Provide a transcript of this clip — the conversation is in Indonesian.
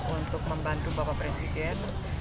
untuk membantu bapak presiden